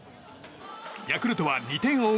ヤクルトは、２点を追う